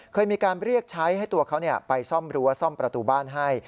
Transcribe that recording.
เคยมีการเรียกใช้ให้ตัวเขาไปซ่อมรั้วซ่อมประตูบ้านให้